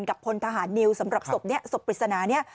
พลทหารนิวสำหรับศพนี้ศพปริศนานี้